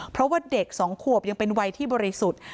เพราะว่าเด็ก๒ขวบยังเป็นวัยที่บริสุทธิ์